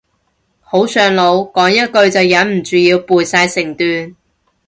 好上腦，講一句就忍唔住要背晒成段